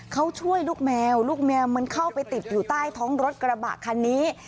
เขาช่วยลูกแมวลูกแมวมันเข้าไปติดอยู่ใต้ท้องรถกระบะคันนี้